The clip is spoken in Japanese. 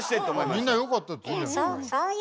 みんなよかったって言うじゃない。